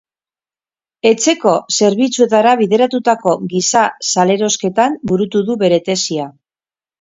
Etxeko zerbitzuetara bideratutako giza-salerosketan burutu du bere tesia.